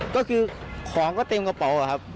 ก็คือของก็เต็มกระเป๋าครับ